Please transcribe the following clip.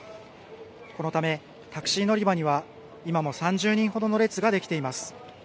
このためタクシー乗り場には今も３０人ほどの列ができています。